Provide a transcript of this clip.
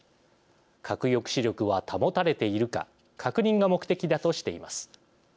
核抑止力は保たれているか確認が目的だとしています。